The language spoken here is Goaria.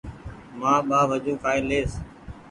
مآن ٻآ وجون ڪآئي ليئس